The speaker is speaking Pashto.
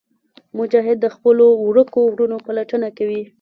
مجاهد د خپلو ورکو وروڼو پلټنه کوي.